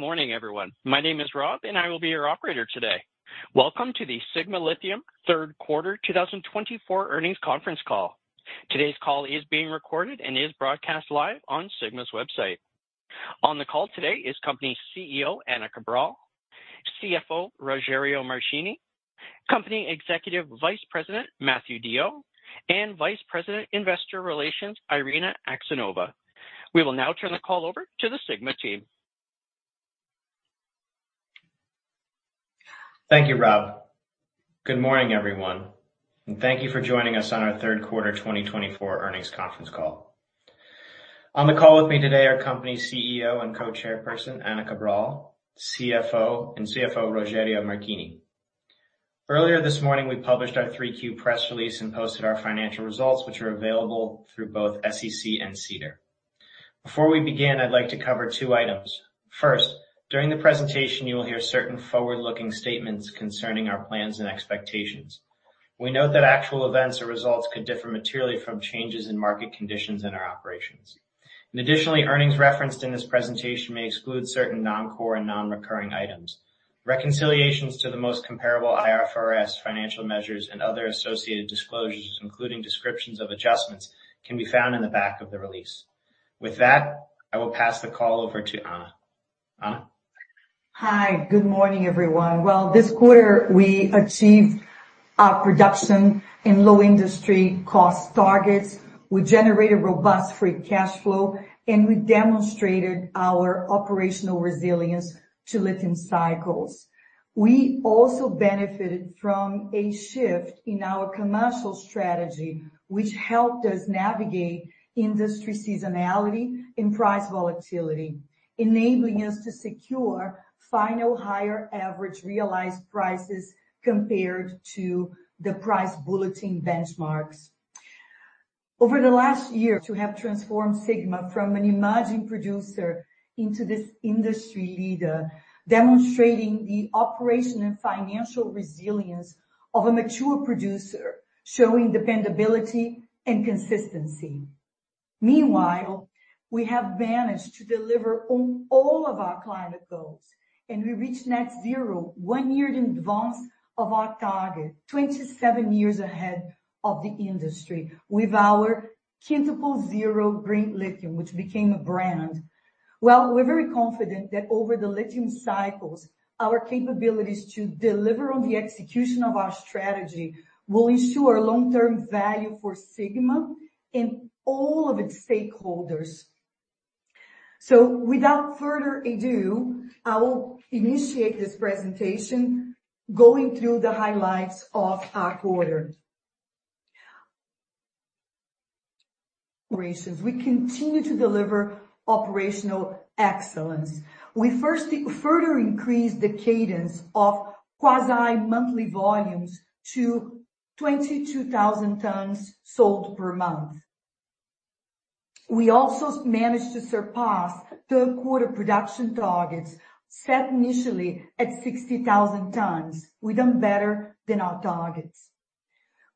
Good morning, everyone. My name is Rob, and I will be your operator today. Welcome to the Sigma Lithium third quarter 2024 earnings conference call. Today's call is being recorded and is broadcast live on Sigma's website. On the call today is Company CEO Ana Cabral, CFO Rogério Marchini, Company Executive Vice President Matthew DeYoe, and Vice President Investor Relations Irina Axenova. We will now turn the call over to the Sigma team. Thank you, Rob. Good morning, everyone, and thank you for joining us on our third quarter 2024 earnings conference call. On the call with me today are our CEO and Co-Chairperson Ana Cabral and CFO Rogério Marchini. Earlier this morning, we published our 3Q press release and posted our financial results, which are available through both SEC and SEDAR+. Before we begin, I'd like to cover two items. First, during the presentation, you will hear certain forward-looking statements concerning our plans and expectations. We note that actual events or results could differ materially from changes in market conditions and our operations. Additionally, earnings referenced in this presentation may exclude certain non-core and non-recurring items. Reconciliations to the most comparable IFRS financial measures and other associated disclosures, including descriptions of adjustments, can be found in the back of the release. With that, I will pass the call over to Ana. Ana? Hi, good morning, everyone. This quarter, we achieved our production and low industry cost targets. We generated robust free cash flow, and we demonstrated our operational resilience to lifting cycles. We also benefited from a shift in our commercial strategy, which helped us navigate industry seasonality and price volatility, enabling us to secure significantly higher average realized prices compared to the price bulletin benchmarks. Over the last year, we have transformed Sigma from an emerging producer into this industry leader, demonstrating the operational and financial resilience of a mature producer, showing dependability and consistency. Meanwhile, we have managed to deliver on all of our climate goals, and we reached net zero one year in advance of our target, 27 years ahead of the industry with our Quintuple Zero Green Lithium, which became a brand. We're very confident that over the lithium cycles, our capabilities to deliver on the execution of our strategy will ensure long-term value for Sigma and all of its stakeholders. Without further ado, I will initiate this presentation, going through the highlights of our quarter. We continue to deliver operational excellence. We further increased the cadence of quasi-monthly volumes to 22,000 tons sold per month. We also managed to surpass third-quarter production targets set initially at 60,000 tons. We done better than our targets.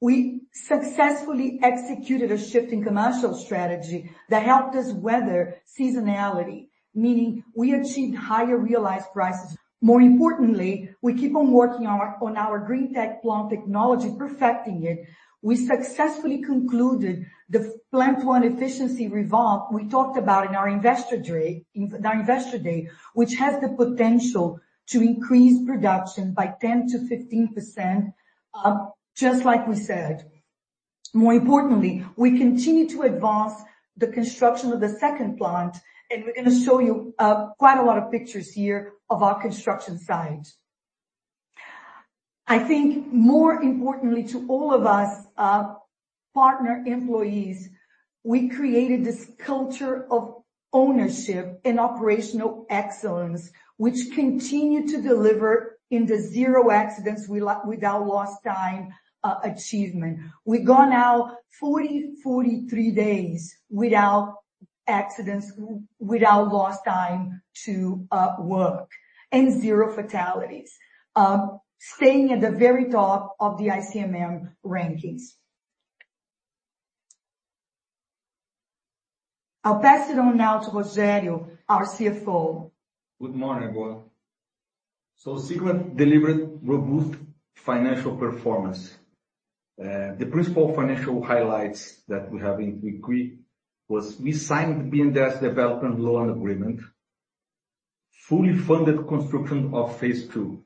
We successfully executed a shift in commercial strategy that helped us weather seasonality, meaning we achieved higher realized prices. More importantly, we keep on working on our Greentech plant technology, perfecting it. We successfully concluded the Plant 1 efficiency revamp we talked about in our Investor Day, which has the potential to increase production by 10%-15%, just like we said. More importantly, we continue to advance the construction of the second plant, and we're going to show you quite a lot of pictures here of our construction site. I think, more importantly to all of us partner employees, we created this culture of ownership and operational excellence, which continued to deliver in the zero accidents, without lost time achievement. We've gone now 40-43 days without accidents, without lost time to work, and zero fatalities, staying at the very top of the ICMM rankings. I'll pass it on now to Rogério, our CFO. Good morning, everyone. Sigma delivered robust financial performance. The principal financial highlights that we have in 3Q was we signed the BNDES development loan agreement, fully funded construction Phase 2.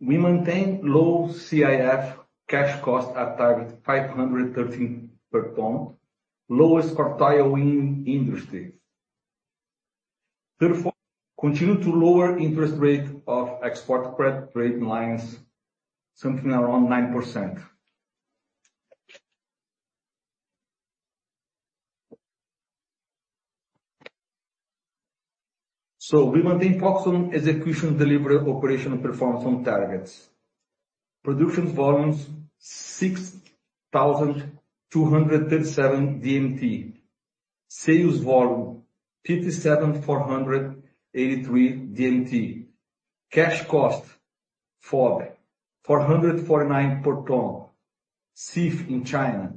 we maintained low CIF cash cost at target $513 per ton, lowest quartile in industry. Third, we continued to lower interest rate of export credit rate lines, something around 9%. So, we maintained focus on execution, delivery, operational performance on targets. Production volumes 6,237 DMT, sales volume 57,483 DMT, cash cost $4,449 per ton, CIF in China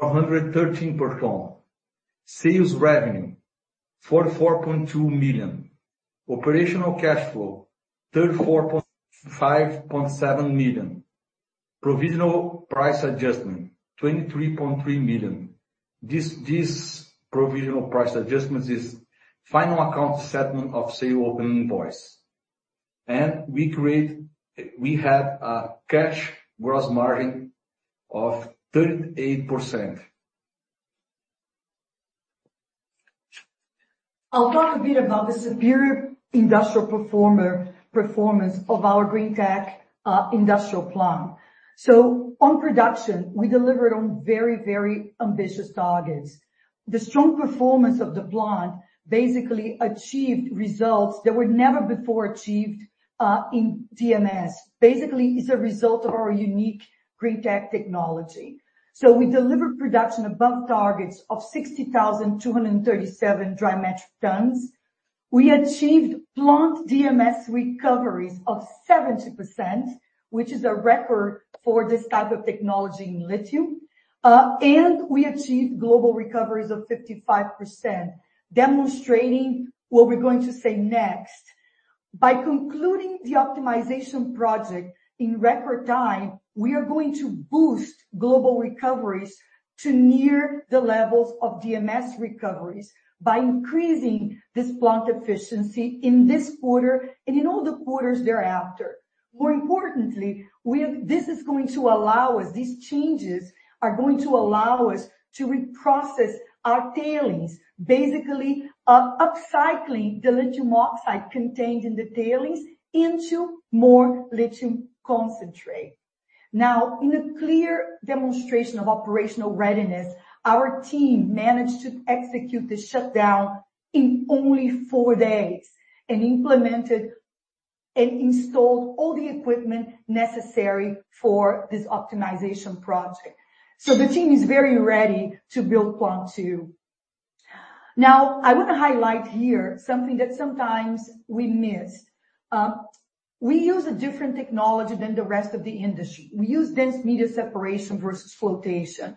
$413 per ton, sales revenue $44.2 million, operational cash flow $34.57 million, provisional price adjustment $23.3 million. This provisional price adjustment is final account settlement of sale open invoice. And we created, we had a cash gross margin of 38%. I'll talk a bit about the superior industrial performance of our Greentech Industrial Plant. So, on production, we delivered on very, very ambitious targets. The strong performance of the plant basically achieved results that were never before achieved in DMS. Basically, it's a result of our unique Greentech technology. So, we delivered production above targets of 60,237 dry metric tons. We achieved plant DMS recoveries of 70%, which is a record for this type of technology in lithium. And we achieved global recoveries of 55%, demonstrating what we're going to say next. By concluding the optimization project in record time, we are going to boost global recoveries to near the levels of DMS recoveries by increasing this plant efficiency in this quarter and in all the quarters thereafter. More importantly, this is going to allow us. These changes are going to allow us to reprocess our tailings, basically upcycling the lithium oxide contained in the tailings into more lithium concentrate. Now, in a clear demonstration of operational readiness, our team managed to execute the shutdown in only four days and implemented and installed all the equipment necessary for this optimization project. So, the team is very ready to build Plant 2. Now, I want to highlight here something that sometimes we miss. We use a different technology than the rest of the industry. We use dense media separation versus flotation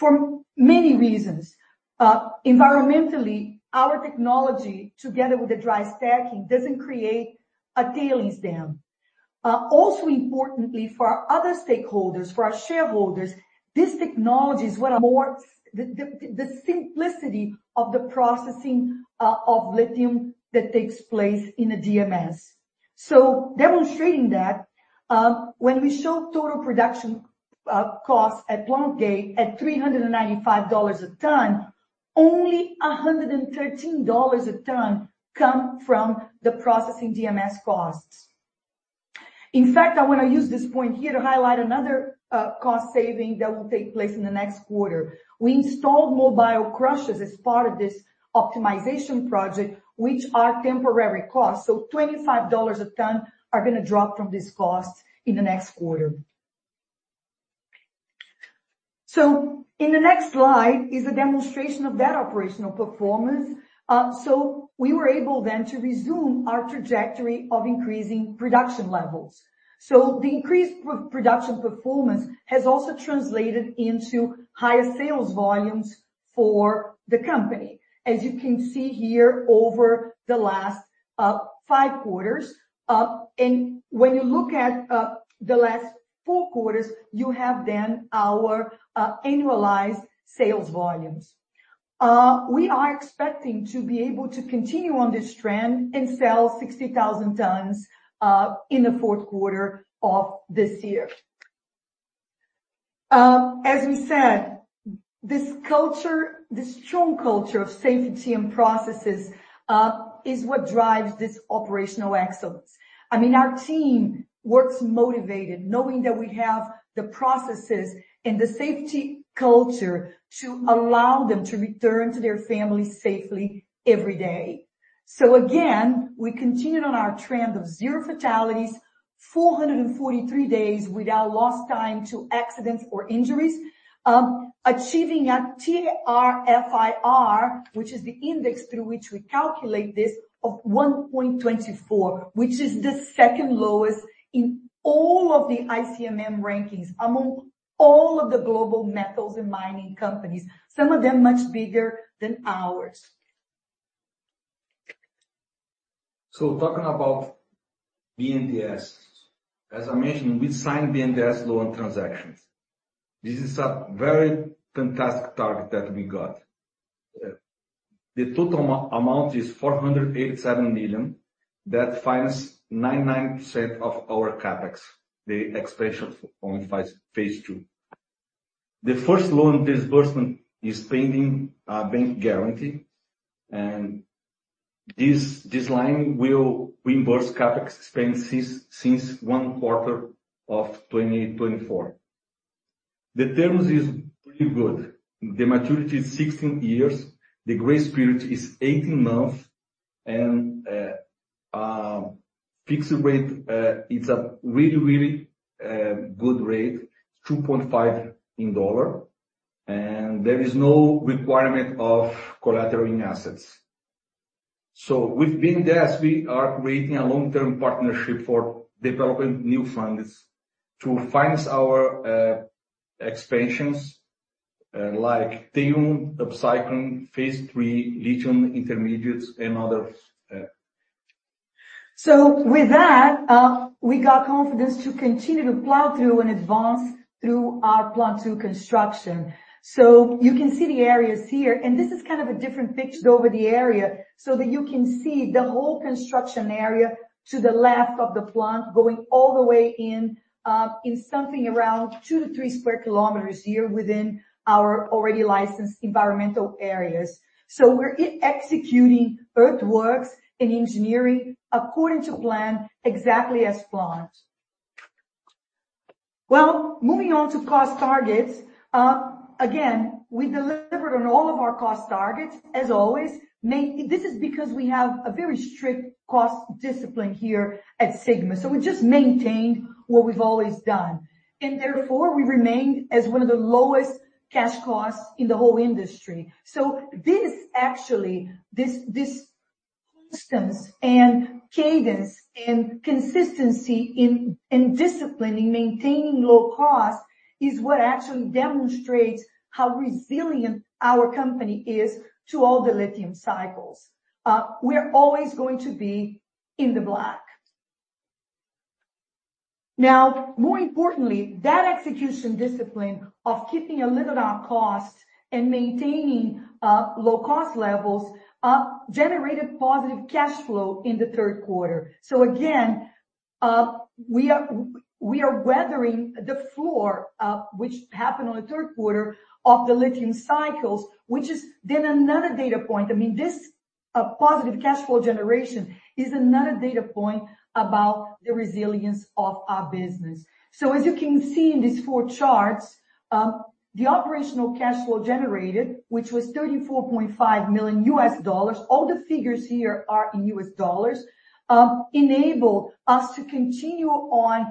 for many reasons. Environmentally, our technology, together with the dry stacking, doesn't create a tailings dam. Also, importantly for our other stakeholders, for our shareholders, this technology is, what's more, the simplicity of the processing of lithium that takes place in a DMS. Demonstrating that when we show total production costs at plant gate at $395 a ton, only $113 a ton come from the processing DMS costs. In fact, I want to use this point here to highlight another cost saving that will take place in the next quarter. We installed mobile crushers as part of this optimization project, which are temporary costs. $25 a ton are going to drop from this cost in the next quarter. In the next slide is a demonstration of that operational performance. We were able then to resume our trajectory of increasing production levels. The increased production performance has also translated into higher sales volumes for the company, as you can see here over the last five quarters. When you look at the last four quarters, you have then our annualized sales volumes. We are expecting to be able to continue on this trend and sell 60,000 tons in the fourth quarter of this year. As we said, this culture, this strong culture of safety and processes is what drives this operational excellence. I mean, our team works motivated, knowing that we have the processes and the safety culture to allow them to return to their families safely every day. So, again, we continued on our trend of zero fatalities, 443 days without lost time to accidents or injuries, achieving a TRIFR, which is the index through which we calculate this, of 1.24, which is the second lowest in all of the ICMM rankings among all of the global metals and mining companies, some of them much bigger than ours. Talking about BNDES, as I mentioned, we signed BNDES loan transactions. This is a very fantastic target that we got. The total amount is $487 million. That finance 99% of our CapEx, the expansion for Phase 2. the first loan disbursement is pending bank guarantee, and this line will reimburse CapEx expenses since one quarter of 2024. The terms are pretty good. The maturity is 16 years. The grace period is 18 months. Fixed rate, it's a really, really good rate, 2.5% in dollar. There is no requirement of collateral in assets. With BNDES, we are creating a long-term partnership for developing new funds to finance our expansions like Tailings, Upcycling, Phase 3, lithium intermediates, and others. So, with that, we got confidence to continue to plow through and advance through our Plant 2 construction. So, you can see the areas here. And this is kind of a different picture over the area so that you can see the whole construction area to the left of the plant going all the way in, in something around two to three square kilometers here within our already licensed environmental areas. So, we're executing earthworks and engineering according to plan exactly as planned. Well, moving on to cost targets. Again, we delivered on all of our cost targets, as always. This is because we have a very strict cost discipline here at Sigma. So, we just maintained what we've always done. And therefore, we remained as one of the lowest cash costs in the whole industry. So, this actually, this constancy and cadence and consistency in discipline, in maintaining low cost is what actually demonstrates how resilient our company is to all the lithium cycles. We're always going to be in the black. Now, more importantly, that execution discipline of keeping a lid on our costs and maintaining low cost levels generated positive cash flow in the third quarter. So, again, we are weathering the trough, which happened on the third quarter of the lithium cycles, which is then another data point. I mean, this positive cash flow generation is another data point about the resilience of our business. As you can see in these four charts, the operational cash flow generated, which was $34.5 million, all the figures here are in U.S. dollars, enabled us to continue on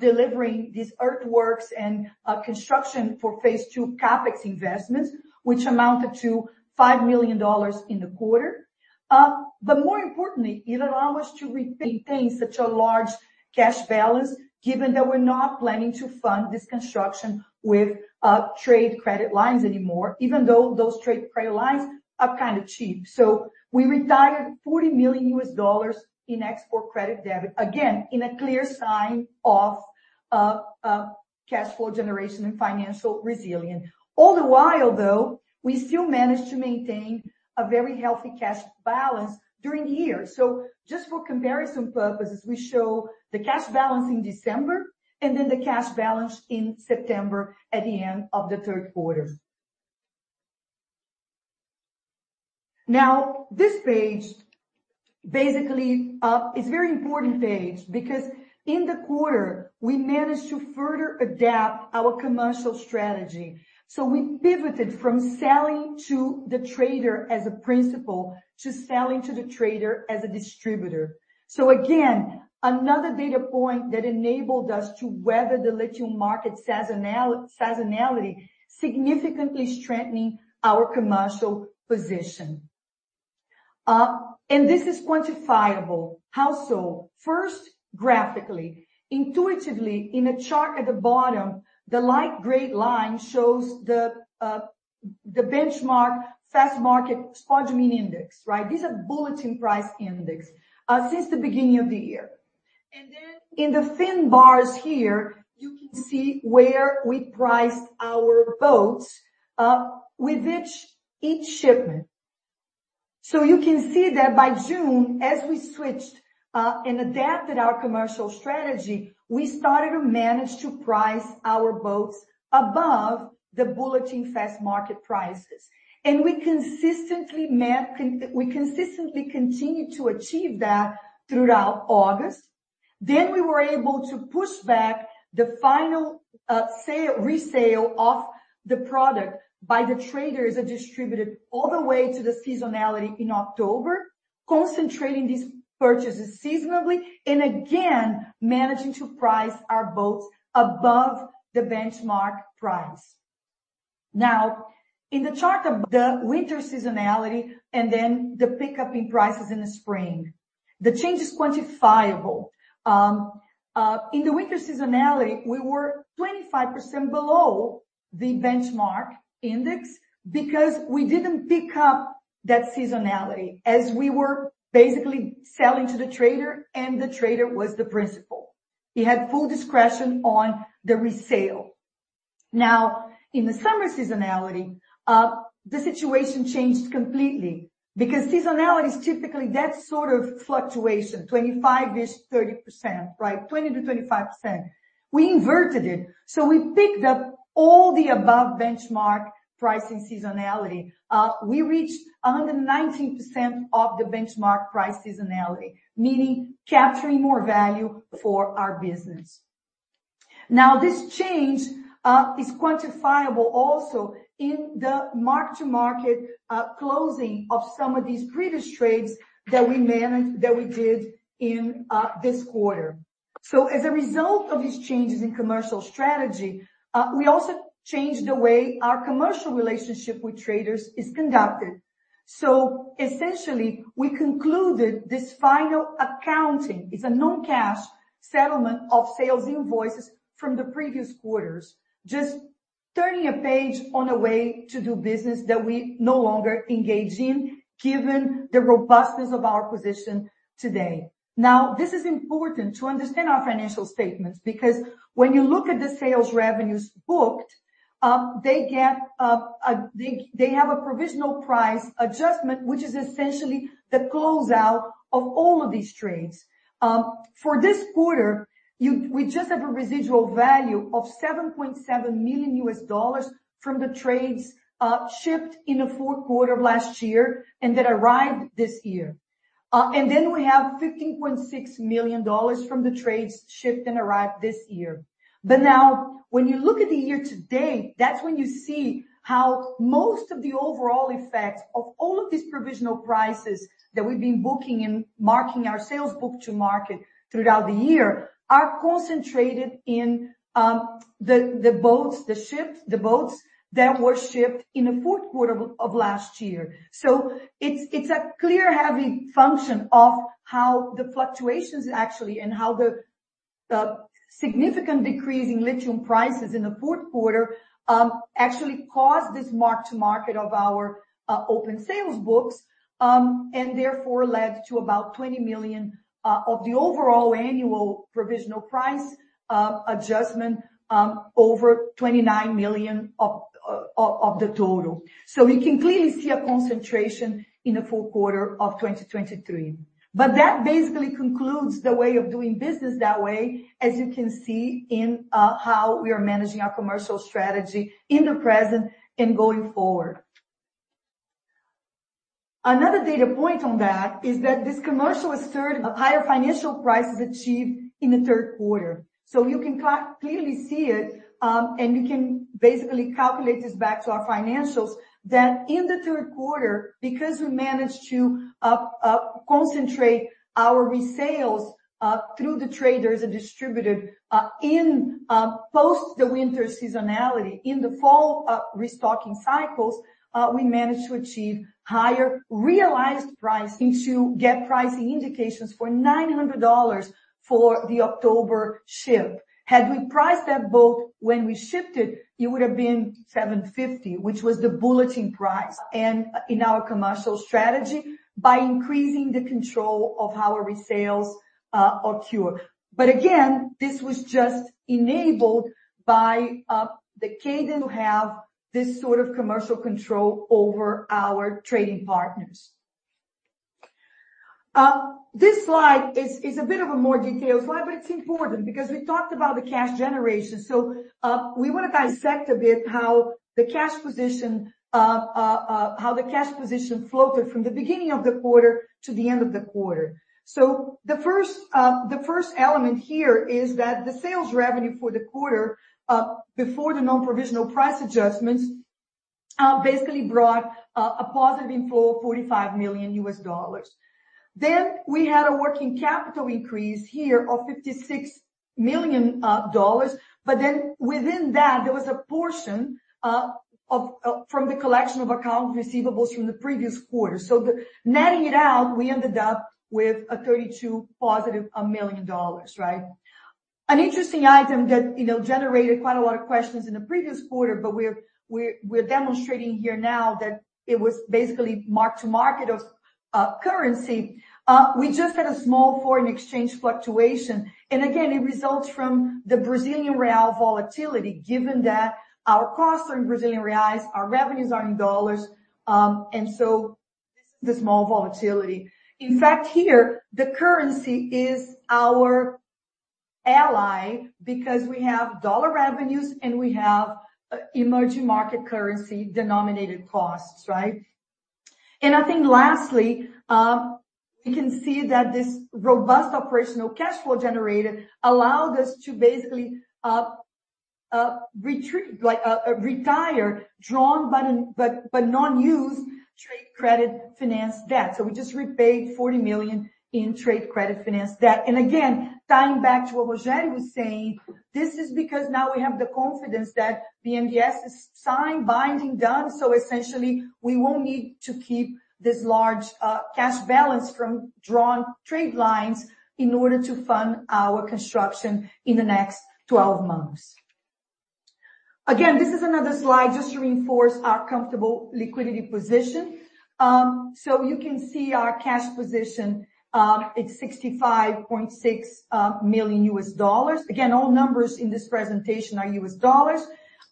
delivering these earthworks and construction Phase 2 capex investments, which amounted to $5 million in the quarter. But more importantly, it allowed us to maintain such a large cash balance, given that we're not planning to fund this construction with trade credit lines anymore, even though those trade credit lines are kind of cheap. We retired $40 million in export credit debt, again, in a clear sign of cash flow generation and financial resilience. All the while, though, we still managed to maintain a very healthy cash balance during the year. So, just for comparison purposes, we show the cash balance in December and then the cash balance in September at the end of the third quarter. Now, this page basically is a very important page because in the quarter, we managed to further adapt our commercial strategy. We pivoted from selling to the trader as a principal to selling to the trader as a distributor. Again, another data point that enabled us to weather the lithium market seasonality, significantly strengthening our commercial position. And this is quantifiable. How so? First, graphically, intuitively in a chart at the bottom, the light gray line shows the benchmark Fastmarkets Spodumene Index, right? These are bulletin price index since the beginning of the year. And then in the thin bars here, you can see where we priced our boats with each shipment. So, you can see that by June, as we switched and adapted our commercial strategy, we started to manage to price our boats above the bulletin Fastmarkets prices. And we consistently met, we consistently continued to achieve that throughout August. Then we were able to push back the final resale of the product by the traders that distributed all the way to the seasonality in October, concentrating these purchases seasonally and again managing to price our boats above the benchmark price. Now, in the chart, the winter seasonality and then the pickup in prices in the spring. The change is quantifiable. In the winter seasonality, we were 25% below the benchmark index because we didn't pick up that seasonality as we were basically selling to the trader and the trader was the principal. He had full discretion on the resale. Now, in the summer seasonality, the situation changed completely because seasonality is typically that sort of fluctuation, 25%-ish, 30%, right? 20% to 25%. We inverted it. So, we picked up all the above benchmark pricing seasonality. We reached 119% of the benchmark price seasonality, meaning capturing more value for our business. Now, this change is quantifiable also in the mark-to-market closing of some of these previous trades that we managed that we did in this quarter. So, as a result of these changes in commercial strategy, we also changed the way our commercial relationship with traders is conducted. So, essentially, we concluded this final accounting. It's a non-cash settlement of sales invoices from the previous quarters, just turning a page on a way to do business that we no longer engage in, given the robustness of our position today. Now, this is important to understand our financial statements because when you look at the sales revenues booked, they have a provisional price adjustment, which is essentially the closeout of all of these trades. For this quarter, we just have a residual value of $7.7 million from the trades shipped in the fourth quarter of last year and that arrived this year. And then we have $15.6 million from the trades shipped and arrived this year. But now, when you look at the year to date, that's when you see how most of the overall effect of all of these provisional prices that we've been booking and marking our sales book to market throughout the year are concentrated in the boats, the ships, the boats that were shipped in the fourth quarter of last year. So, it's a clear heavy function of how the fluctuations actually and how the significant decrease in lithium prices in the fourth quarter actually caused this mark-to-market of our open sales books and therefore led to about $20 million of the overall annual provisional price adjustment over $29 million of the total. So, you can clearly see a concentration in the fourth quarter of 2023. But that basically concludes the way of doing business that way, as you can see in how we are managing our commercial strategy in the present and going forward. Another data point on that is that this commercial is third. Higher financial prices achieved in the third quarter. So, you can clearly see it, and you can basically calculate this back to our financials that in the third quarter, because we managed to concentrate our resales through the traders and distributed in post the winter seasonality in the fall restocking cycles, we managed to achieve higher realized pricing to get pricing indications for $900 for the October ship. Had we priced that boat when we shipped it, it would have been $750, which was the bulletin price. And in our commercial strategy by increasing the control of our resales or cure. But again, this was just enabled by the cadence to have this sort of commercial control over our trading partners. This slide is a bit of a more detailed slide, but it's important because we talked about the cash generation. So, we want to dissect a bit how the cash position floated from the beginning of the quarter to the end of the quarter. The first element here is that the sales revenue for the quarter before the non-provisional price adjustments basically brought a positive inflow of $45 million U.S. dollars. Then we had a working capital increase here of $56 million, but then within that, there was a portion from the collection of account receivables from the previous quarter. So, netting it out, we ended up with a $32 positive million, right? An interesting item that generated quite a lot of questions in the previous quarter, but we're demonstrating here now that it was basically mark-to-market of currency. We just had a small foreign exchange fluctuation. Again, it results from the Brazilian Real volatility, given that our costs are in Brazilian Reals, our revenues are in dollars. And so, this is the small volatility. In fact, here, the currency is our ally because we have dollar revenues and we have emerging market currency denominated costs, right? And I think lastly, we can see that this robust operational cash flow generated allowed us to basically retire drawn but non-used trade credit finance debt. So, we just repaid $40 million in trade credit finance debt. And again, tying back to what Rogério was saying, this is because now we have the confidence that BNDES is signed, binding, done. So, essentially, we won't need to keep this large cash balance from drawn trade lines in order to fund our construction in the next 12 months. Again, this is another slide just to reinforce our comfortable liquidity position. You can see our cash position; it's $65.6 million U.S. dollars. Again, all numbers in this presentation are U.S. dollars.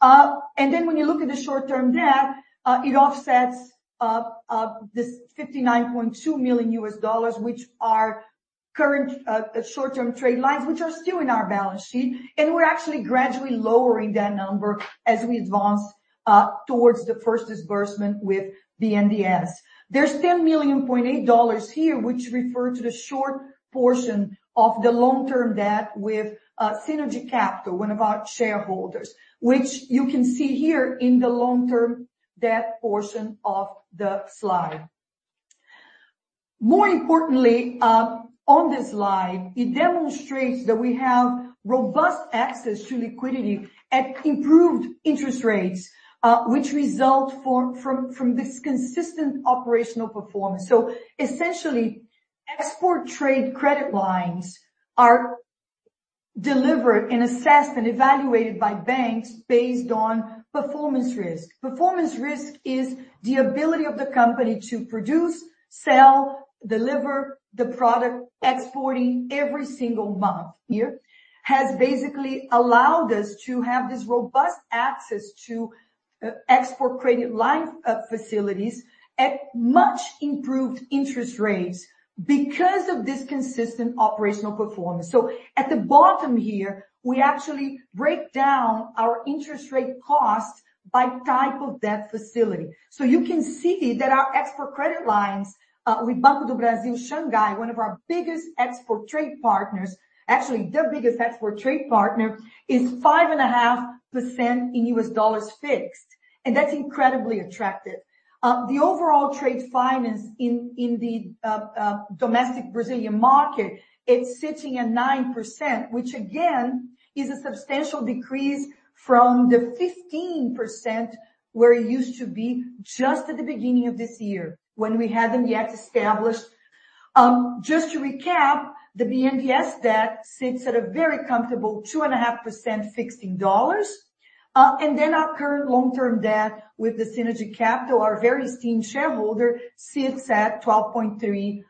When you look at the short-term debt, it offsets this $59.2 million U.S. dollars, which are current short-term trade lines, which are still in our balance sheet. We're actually gradually lowering that number as we advance towards the first disbursement with BNDES. There's $10.8 million here, which refer to the short portion of the long-term debt with Synergy Capital, one of our shareholders, which you can see here in the long-term debt portion of the slide. More importantly, on this slide, it demonstrates that we have robust access to liquidity at improved interest rates, which result from this consistent operational performance. Essentially, export trade credit lines are delivered and assessed and evaluated by banks based on performance risk. Performance risk is the ability of the company to produce, sell, deliver the product exporting every single month. This year has basically allowed us to have this robust access to export credit line facilities at much improved interest rates because of this consistent operational performance. So, at the bottom here, we actually break down our interest rate costs by type of debt facility. So, you can see that our export credit lines with Banco do Brasil Shanghai, one of our biggest export trade partners, actually the biggest export trade partner, is 5.5% in U.S. dollars fixed. And that's incredibly attractive. The overall trade finance in the domestic Brazilian market, it's sitting at 9%, which again is a substantial decrease from the 15% where it used to be just at the beginning of this year when we hadn't yet established. Just to recap, the BNDES debt sits at a very comfortable 2.5% fixed in dollars. And then our current long-term debt with Synergy Capital, our very esteemed shareholder, sits at 12.3%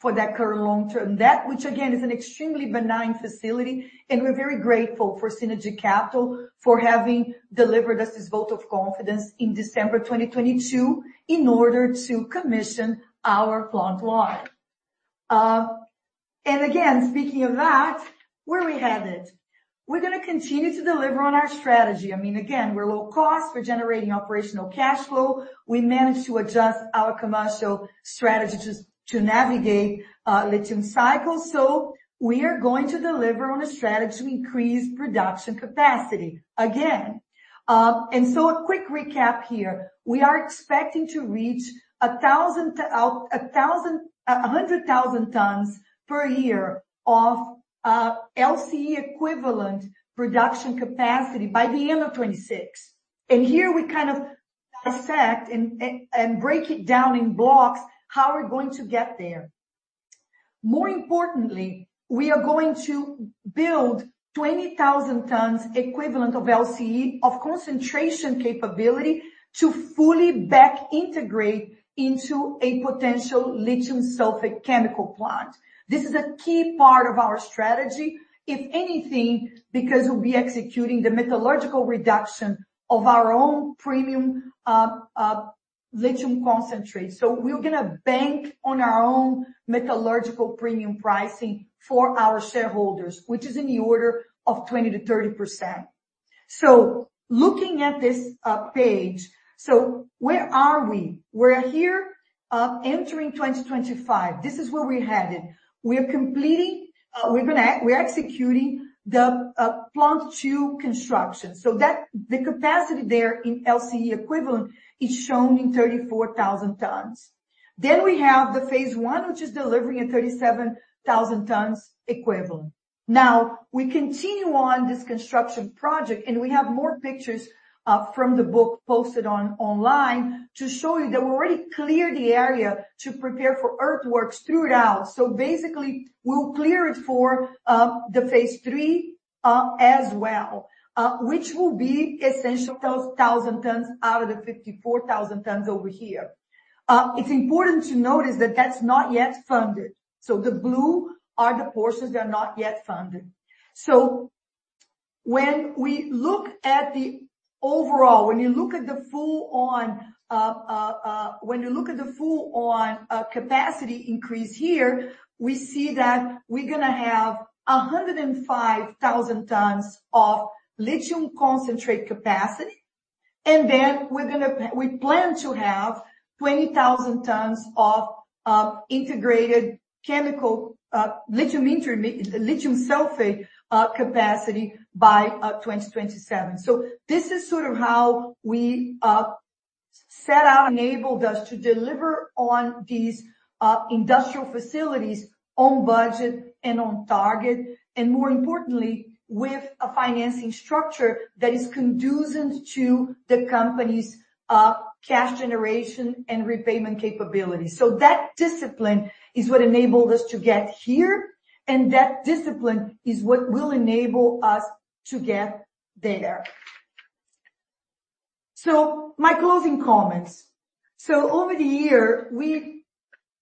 for that current long-term debt, which again is an extremely benign facility. We are very grateful for Synergy Capital for having delivered us this vote of confidence in December 2022 in order to commission our front line. Speaking of that, where we're headed, we are going to continue to deliver on our strategy. I mean, again, we are low cost, we are generating operational cash flow, we managed to adjust our commercial strategy to navigate lithium cycles. We are going to deliver on a strategy to increase production capacity. A quick recap here, we are expecting to reach 100,000 tons per year of LCE equivalent production capacity by the end of 2026. Here we kind of dissect and break it down in blocks how we're going to get there. More importantly, we are going to build 20,000 tons equivalent of LCE of concentration capability to fully back integrate into a potential lithium sulfate chemical plant. This is a key part of our strategy, if anything, because we'll be executing the metallurgical reduction of our own premium lithium concentrate. We're going to bank on our own metallurgical premium pricing for our shareholders, which is in the order of 20%-30%. Looking at this page, where are we? We're here entering 2025. This is where we're headed. We're completing. We're going to execute the Plant 2 construction. The capacity there in LCE equivalent is shown in 34,000 tons. Then we have the Phase 1, which is delivering at 37,000 tons equivalent. Now, we continue on this construction project and we have more pictures from the book posted online to show you that we already cleared the area to prepare for earthworks throughout, so basically, we'll clear it for the phase three as well, which will be essentially 1,000 tons out of the 54,000 tons over here. It's important to notice that that's not yet funded, so the blue are the portions that are not yet funded, so when we look at the overall, when you look at the full-on capacity increase here, we see that we're going to have 105,000 tons of lithium concentrate capacity, and then we're going to, we plan to have 20,000 tons of integrated chemical lithium sulfate capacity by 2027. So, this is sort of how we set out, enabled us to deliver on these industrial facilities on budget and on target, and more importantly, with a financing structure that is conducive to the company's cash generation and repayment capability. So, that discipline is what enabled us to get here, and that discipline is what will enable us to get there. So, my closing comments. So, over the year, we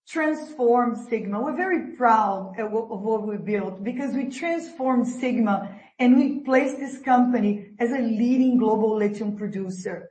transformed Sigma. We're very proud of what we built because we transformed Sigma and we placed this company as a leading global lithium producer.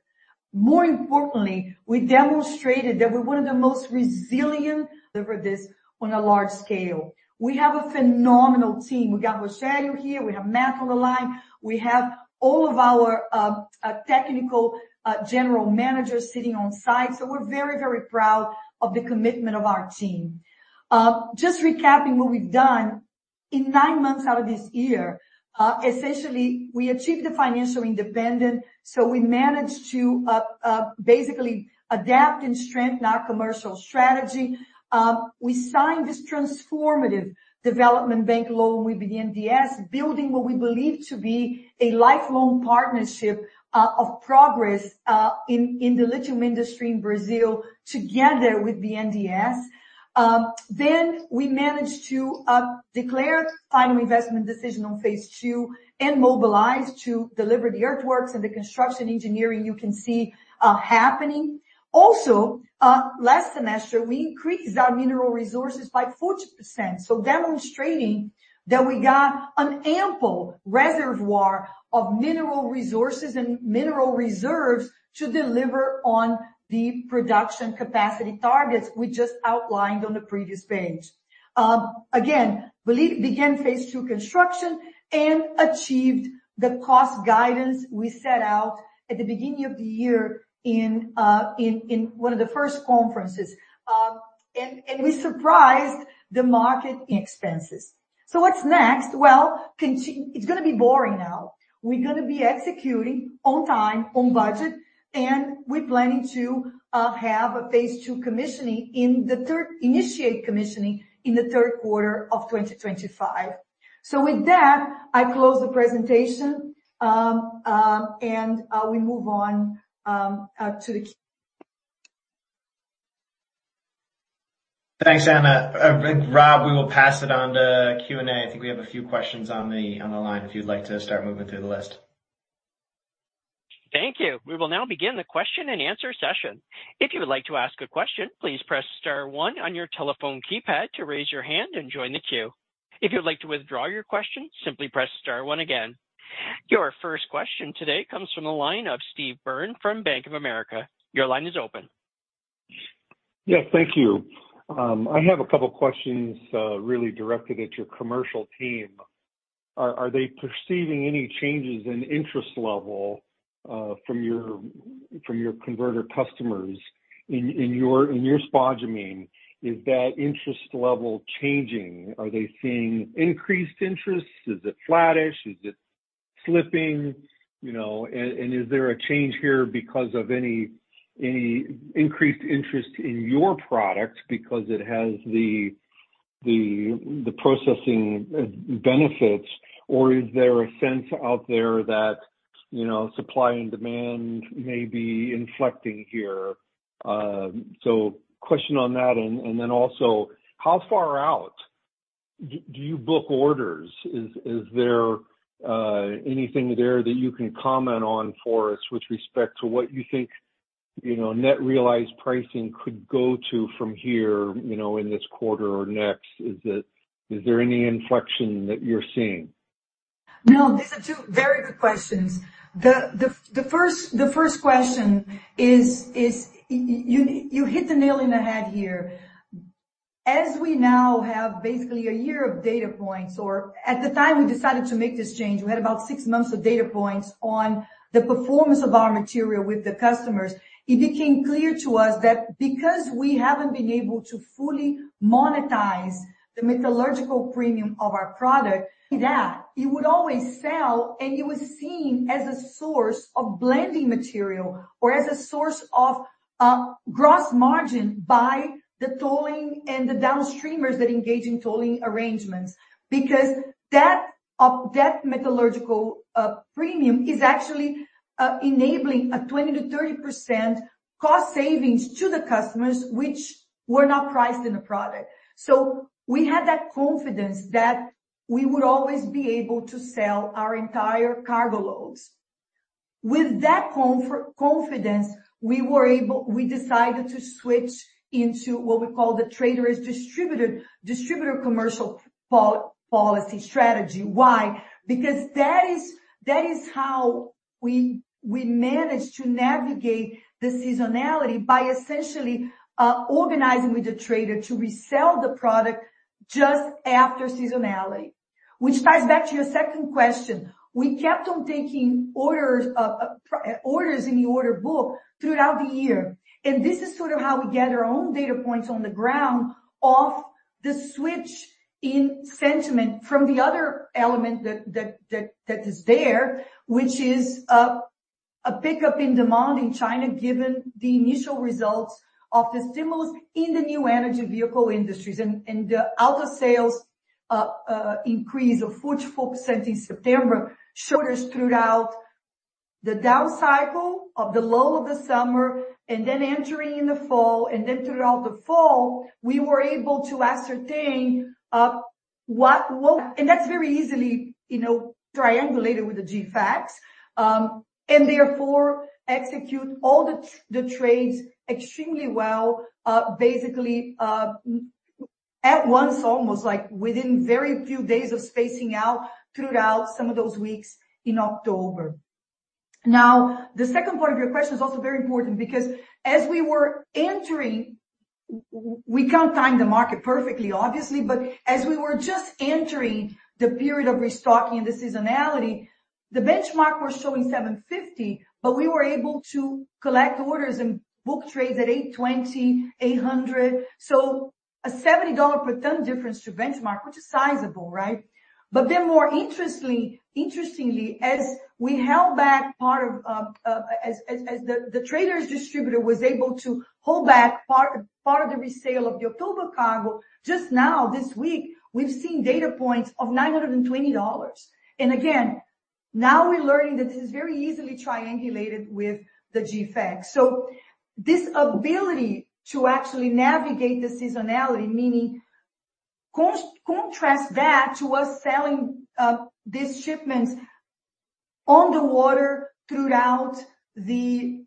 More importantly, we demonstrated that we're one of the most resilient. Deliver this on a large scale. We have a phenomenal team. We got Rogério here, we have Matt on the line, we have all of our technical general managers sitting on site. So, we're very, very proud of the commitment of our team. Just recapping what we've done, in nine months out of this year, essentially, we achieved the financial independence, so we managed to basically adapt and strengthen our commercial strategy. We signed this transformative development bank loan with BNDES, building what we believe to be a lifelong partnership of progress in the lithium industry in Brazil together with BNDES, then we managed to declare final investment decision Phase 2 and mobilize to deliver the earthworks and the construction engineering you can see happening. Also, last semester, we increased our mineral resources by 40%, so demonstrating that we got an ample reservoir of mineral resources and mineral reserves to deliver on the production capacity targets we just outlined on the previous page. Again, we Phase 2 construction and achieved the cost guidance we set out at the beginning of the year in one of the first conferences. And we surprised the market. Expenses. So, what's next? Well, it's going to be boring now. We're going to be executing on time, on budget, and we're planning to have Phase 2 commissioning in the third, initiate commissioning in the third quarter of 2025. So, with that, I close the presentation and we move on to the. Thanks, Ana. Rob, we will pass it on to Q&A. I think we have a few questions on the line. If you'd like to start moving through the list. Thank you. We will now begin the question and answer session. If you would like to ask a question, please press star one on your telephone keypad to raise your hand and join the queue. If you'd like to withdraw your question, simply press star one again. Your first question today comes from the line of Steve Byrne from Bank of America. Your line is open. Yes, thank you. I have a couple of questions really directed at your commercial team. Are they perceiving any changes in interest level from your converter customers in your spodumene? Is that interest level changing? Are they seeing increased interest? Is it flattish? Is it slipping? And is there a change here because of any increased interest in your product because it has the processing benefits? Or is there a sense out there that supply and demand may be inflecting here? So, question on that. And then also, how far out do you book orders? Is there anything there that you can comment on for us with respect to what you think net realized pricing could go to from here in this quarter or next? Is there any inflection that you're seeing? No, these are two very good questions. The first question is you hit the nail on the head here. As we now have basically a year of data points, or at the time we decided to make this change, we had about six months of data points on the performance of our material with the customers. It became clear to us that because we haven't been able to fully monetize the metallurgical premium of our product, that it would always sell and it was seen as a source of blending material or as a source of gross margin by the tolling and the downstreamers that engage in tolling arrangements because that metallurgical premium is actually enabling a 20%-30% cost savings to the customers, which were not priced in the product. So, we had that confidence that we would always be able to sell our entire cargo loads. With that confidence, we were able, we decided to switch into what we call the trader's distributor commercial policy strategy. Why? Because that is how we managed to navigate the seasonality by essentially organizing with the trader to resell the product just after seasonality, which ties back to your second question. We kept on taking orders in the order book throughout the year, and this is sort of how we get our own data points on the ground off the switch in sentiment from the other element that is there, which is a pickup in demand in China given the initial results of the stimulus in the new energy vehicle industries. The auto sales increase of 44% in September showed us throughout the down cycle of the lull of the summer and then entering in the fall, and then throughout the fall, we were able to ascertain what. And that's very easily triangulated with the GFax and therefore execute all the trades extremely well, basically at once, almost like within very few days of spacing out throughout some of those weeks in October. Now, the second part of your question is also very important because as we were entering, we can't time the market perfectly, obviously, but as we were just entering the period of restocking and the seasonality, the benchmark was showing $750, but we were able to collect orders and book trades at $820, $800. So, a $70 per ton difference to benchmark, which is sizable, right? But then more interestingly, as the trader's distributor was able to hold back part of the resale of the October cargo, just now this week, we've seen data points of $920. And again, now we're learning that this is very easily triangulated with the GFax. So, this ability to actually navigate the seasonality, meaning contrast that to us selling these shipments on the water throughout the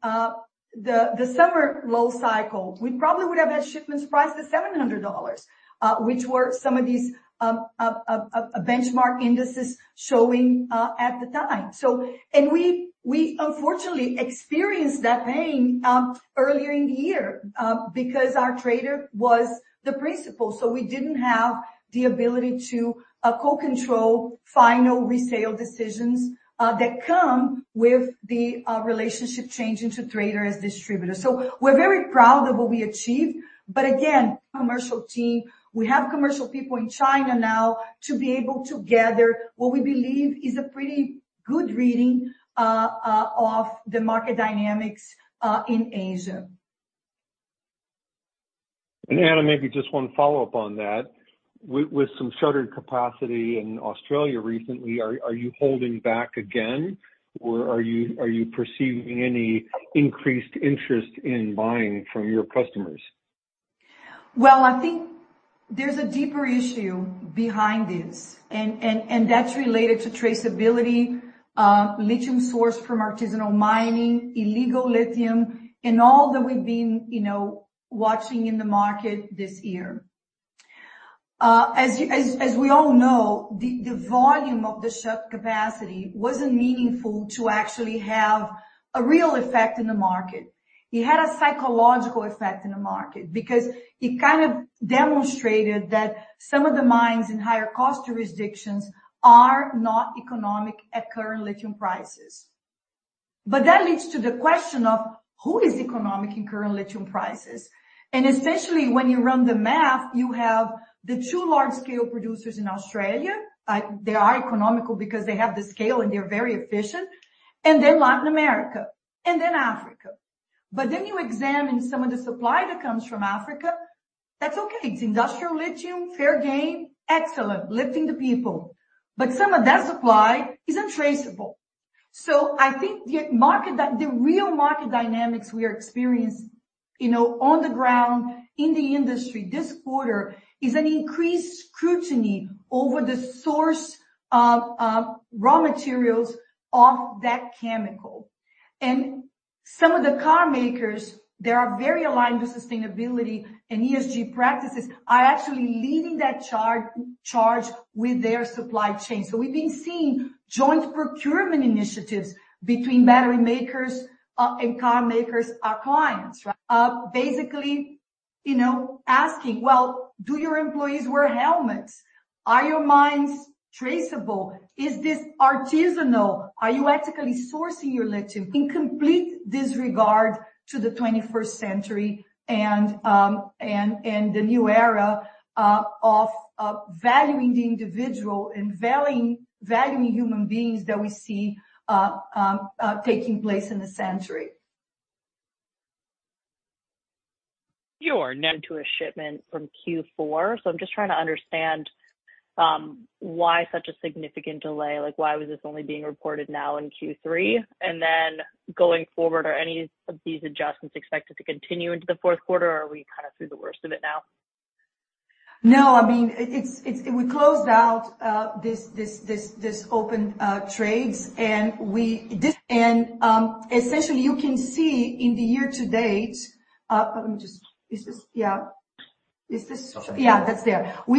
summer low cycle, we probably would have had shipments priced at $700, which were some of these benchmark indices showing at the time. So, and we unfortunately experienced that pain earlier in the year because our trader was the principal. So, we didn't have the ability to co-control final resale decisions that come with the relationship changing to trader as distributor. So, we're very proud of what we achieved. But again, commercial team, we have commercial people in China now to be able to gather what we believe is a pretty good reading of the market dynamics in Asia. And Ana, maybe just one follow-up on that. With some shuttered capacity in Australia recently, are you holding back again? Or are you perceiving any increased interest in buying from your customers? I think there's a deeper issue behind this. That's related to traceability, lithium source from artisanal mining, illegal lithium, and all that we've been watching in the market this year. As we all know, the volume of the shut capacity wasn't meaningful to actually have a real effect in the market. It had a psychological effect in the market because it kind of demonstrated that some of the mines in higher cost jurisdictions are not economic at current lithium prices. That leads to the question of who is economic in current lithium prices. Essentially, when you run the math, you have the two large-scale producers in Australia. They are economical because they have the scale and they're very efficient. And then Latin America. And then Africa. But then you examine some of the supply that comes from Africa, that's okay. It's industrial lithium, fair game, excellent, lifting the people. But some of that supply is untraceable. So, I think the market, the real market dynamics we are experiencing on the ground in the industry this quarter is an increased scrutiny over the source raw materials of that chemical. And some of the car makers, they are very aligned with sustainability and ESG practices, are actually leading that charge with their supply chain. So, we've been seeing joint procurement initiatives between battery makers and car makers, our clients. Basically asking, well, do your employees wear helmets? Are your mines traceable? Is this artisanal? Are you ethically sourcing your lithium? In complete disregard to the 21st century and the new era of valuing the individual and valuing human beings that we see taking place in the century. You are into a shipment from Q4. So, I'm just trying to understand why such a significant delay. Like, why was this only being reported now in Q3? And then going forward, are any of these adjustments expected to continue into the fourth quarter? Or are we kind of through the worst of it now? No, I mean, we closed out this open trades. And we and essentially, you can see in the year to date. We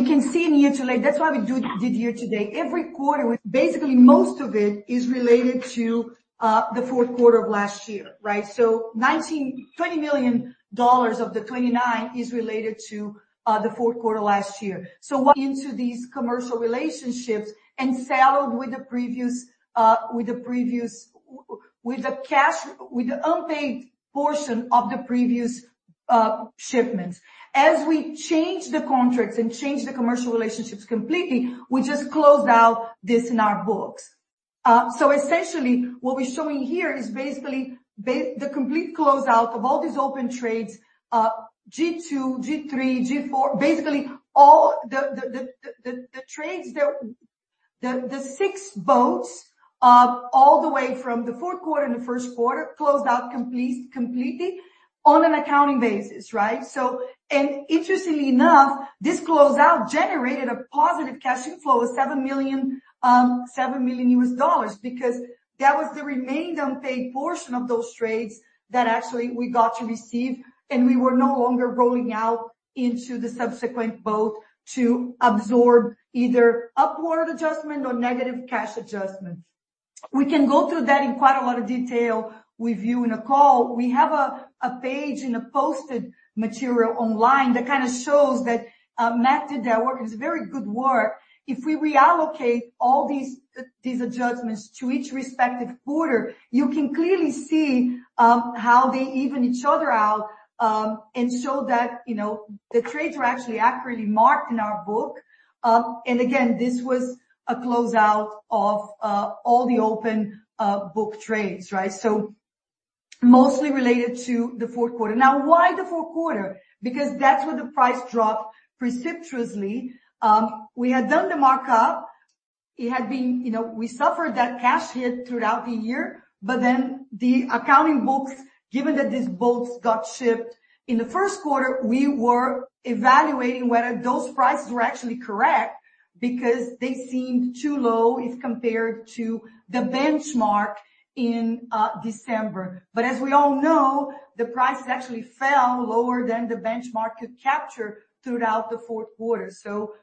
can see in year to date, that's why we did year to date every quarter. Basically, most of it is related to the fourth quarter of last year, right? $20 million of the 2029 is related to the fourth quarter last year. Into these commercial relationships and saddled with the previous, with the cash, with the unpaid portion of the previous shipments. As we changed the contracts and changed the commercial relationships completely, we just closed out this in our books. Essentially, what we're showing here is basically the complete closeout of all these open trades, G2, G3, G4, basically all the trades, the six boats all the way from the fourth quarter and the first quarter closed out completely on an accounting basis, right? Interestingly enough, this closeout generated a positive cash inflow of $7 million because that was the remaining unpaid portion of those trades that actually we got to receive, and we were no longer rolling out into the subsequent boat to absorb either upward adjustment or negative cash adjustments. We can go through that in quite a lot of detail with you in a call. We have a page in a posted material online that kind of shows that Matt did that work. It's very good work. If we reallocate all these adjustments to each respective quarter, you can clearly see how they even each other out and show that the trades are actually accurately marked in our book. And again, this was a closeout of all the open book trades, right? So, mostly related to the fourth quarter. Now, why the fourth quarter? Because that's where the price dropped precipitously. We had done the markup. It had been, we suffered that cash hit throughout the year. But then, the accounting books, given that these boats got shipped in the first quarter, we were evaluating whether those prices were actually correct because they seemed too low if compared to the benchmark in December. But as we all know, the price actually fell lower than the benchmark could capture throughout the fourth quarter. So,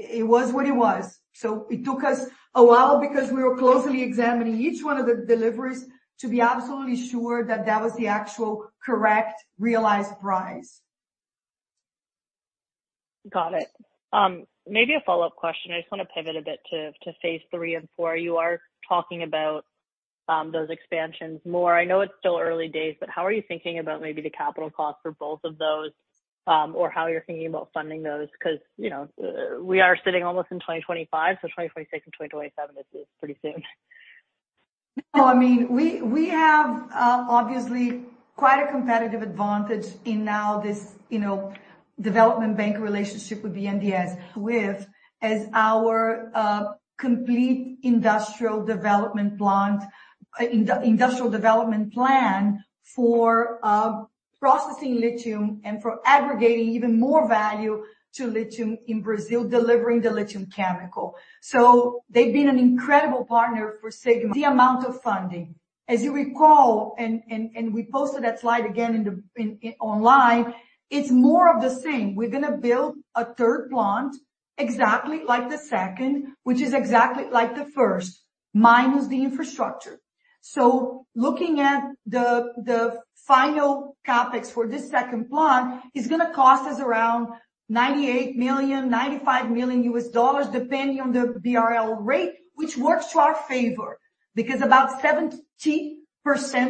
it was what it was. So, it took us a while because we were closely examining each one of the deliveries to be absolutely sure that that was the actual correct realized price. Got it. Maybe a follow-up question. I just want to pivot a bit to Phase 3 and 4. You are talking about those expansions more. I know it's still early days, but how are you thinking about maybe the capital cost for both of those or how you're thinking about funding those? Because we are sitting almost in 2025, so 2026 and 2027 is pretty soon. No, I mean, we have obviously quite a competitive advantage in now this development bank relationship with BNDES. With as our complete industrial development plan for processing lithium and for aggregating even more value to lithium in Brazil, delivering the lithium chemical. So, they've been an incredible partner for Sigma. The amount of funding. As you recall, and we posted that slide again online, it's more of the same. We're going to build a third plant exactly like the second, which is exactly like the first, minus the infrastructure. So, looking at the final CapEx for this second plant, it's going to cost us around $98 million, $95 million U.S. dollars, depending on the BRL rate, which works to our favor because about 70%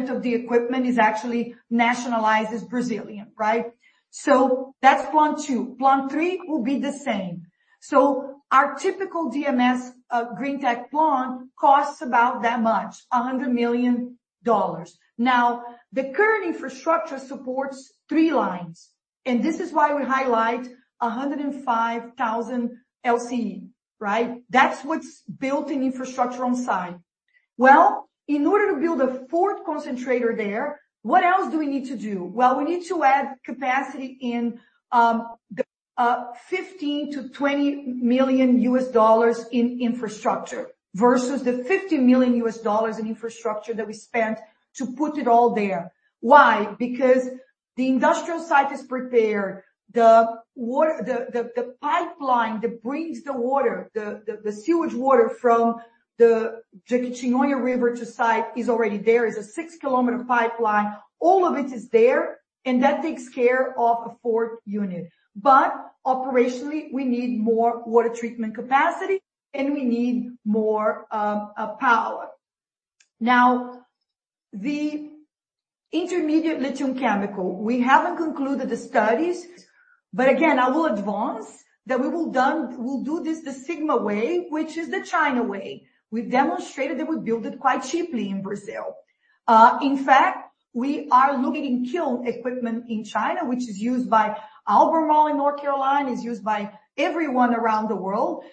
of the equipment is actually nationalized as Brazilian, right? So, that's Plant 2. Plant 3 will be the same. So, our typical DMS Greentech plant costs about that much, $100 million. Now, the current infrastructure supports three lines. And this is why we highlight 105,000 LCE, right? That's what's built in infrastructure on site. Well, in order to build a fourth concentrator there, what else do we need to do? Well, we need to add capacity in $15 million-$20 million in infrastructure versus the $50 million in infrastructure that we spent to put it all there. Why? Because the industrial site is prepared. The pipeline that brings the water, the sewage water from the Jequitinhonha River to site is already there. It's a six-kilometer pipeline. All of it is there. And that takes care of a fourth unit. But operationally, we need more water treatment capacity, and we need more power. Now, the intermediate lithium chemical, we haven't concluded the studies. But again, I will advance that we will do this the Sigma way, which is the China way. We've demonstrated that we built it quite cheaply in Brazil. In fact, we are looking at kiln equipment in China, which is used by Albemarle in North Carolina, is used by everyone around the world